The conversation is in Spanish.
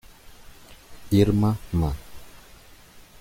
Irma Ma.